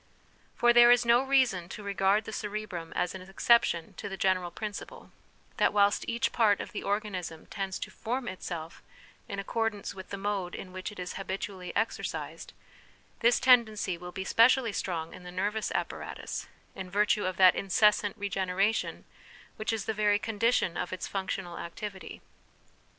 For there is no reason to regard the cerebrum as an exception to the general principle, that whilst each part of the organism tends to form itself \\\ accordance with the mode in which it is habitually exercised, this tendency will be specially strong in the nervous apparatus, in virtue of that incessant regeneration which is the very condition of its functional activity.